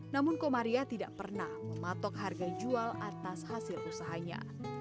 namun komaria tidak pernah mematok harga jual atas hasil usahanya